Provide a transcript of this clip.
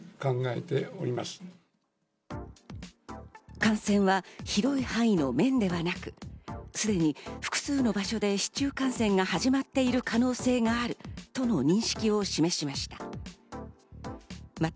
感染は広い範囲の面ではなく、すでに複数の場所で市中感染が始まっている可能性があるとの認識を示しました。